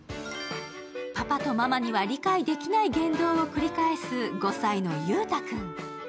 パパとママには理解できない言動を繰り返す５歳のゆうたくん。